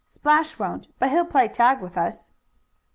Splash won't, but he'll play tag with us."